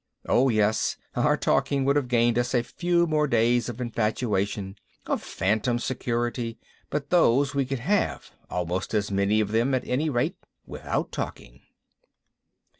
Oh yes, our talking would have gained us a few more days of infatuation, of phantom security, but those we could have almost as many of them, at any rate without talking.